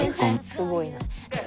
すごいな。